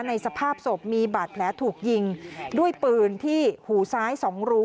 สภาพศพมีบาดแผลถูกยิงด้วยปืนที่หูซ้าย๒รู